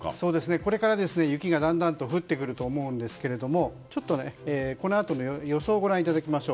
これから、雪がだんだんと降ってくると思うんですけれどもちょっと、このあとの予想をご覧いただきましょう。